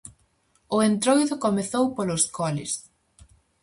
O Entroido comezou polos coles.